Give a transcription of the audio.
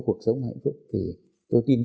quan tâm đến việc nào